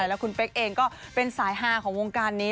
แล้วคุณเป๊กเองก็เป็นสายฮาของวงการนี้